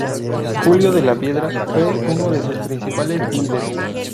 Julio de la Piedra fue uno de sus principales líderes.